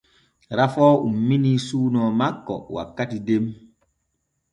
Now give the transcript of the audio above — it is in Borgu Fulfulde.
Rafoo ummini suuno makko wakkati den.